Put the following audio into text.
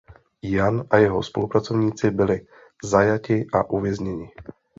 Jan a jeho spolupracovníci byli zajati a uvězněni.